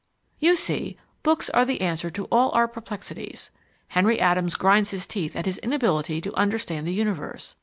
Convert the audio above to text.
You see, books are the answer to all our perplexities! Henry Adams grinds his teeth at his inability to understand the universe.